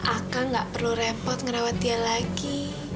aka gak perlu repot ngerawat dia lagi